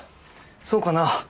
そうかな？